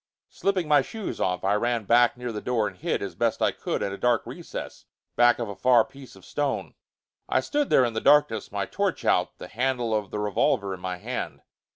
Slipping my shoes off, I ran back near the door and hid as best I could in a dark recess, back of a far piece of stone. I stood there in the darkness, my torch out, the handle of the revolver in my hand.